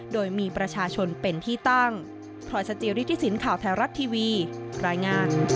โดยมีประชาชนเป็นที่ตั้ง